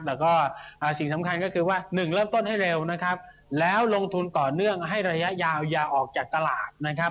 แล้วก็สิ่งสำคัญก็คือว่าหนึ่งเริ่มต้นให้เร็วนะครับแล้วลงทุนต่อเนื่องให้ระยะยาวอย่าออกจากตลาดนะครับ